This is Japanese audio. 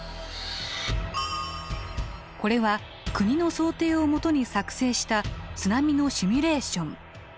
これは国の想定を基に作成した津波のシミュレーション。